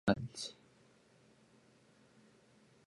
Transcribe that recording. The wilderness spans a section of the southern Wind River Range.